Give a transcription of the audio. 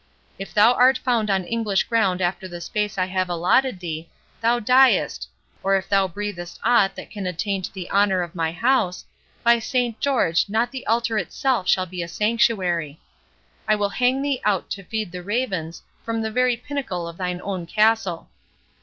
If thou art found on English ground after the space I have allotted thee, thou diest—or if thou breathest aught that can attaint the honour of my house, by Saint George! not the altar itself shall be a sanctuary. I will hang thee out to feed the ravens, from the very pinnacle of thine own castle.